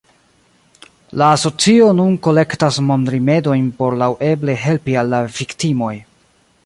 La asocio nun kolektas monrimedojn por laŭeble helpi al la viktimoj.